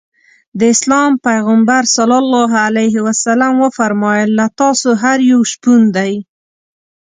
د اسلام پیغمبر ص وفرمایل له تاسو هر یو شپون دی.